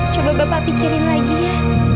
coba bapak pikirin lagi ya